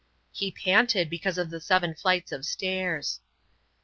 He panted because of the seven flights of stairs.